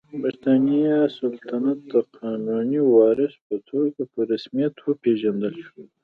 د برېټانیا سلطنت د قانوني وارث په توګه په رسمیت وپېژندل شو.